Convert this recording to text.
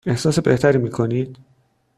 احساس بهتری می کنید؟